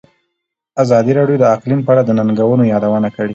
ازادي راډیو د اقلیم په اړه د ننګونو یادونه کړې.